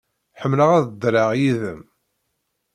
Ḥemmleɣ ad ddreɣ yid-m.